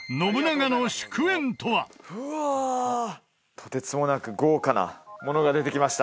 とてつもなく豪華なものが出てきました